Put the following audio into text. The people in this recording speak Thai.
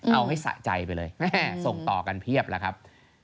เอาให้สะใจไปเลยส่งต่อกันเพียบแล้วครับ